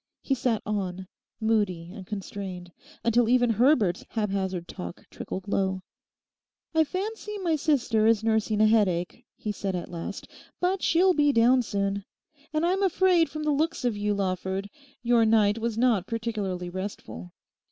He sat on, moody and constrained, until even Herbert's haphazard talk trickled low. 'I fancy my sister is nursing a headache,' he said at last, 'but she'll be down soon. And I'm afraid from the looks of you, Lawford, your night was not particularly restful.